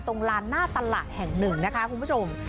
ลานหน้าตลาดแห่งหนึ่งนะคะคุณผู้ชม